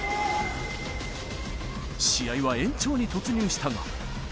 試合は延長に突入したが。